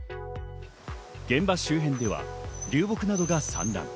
現場周辺では流木などが散乱。